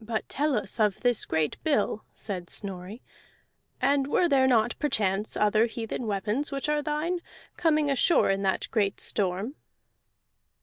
"But tell us of this great bill," said Snorri. "And were there not perchance other heathen weapons which are thine, coming ashore in that great storm?"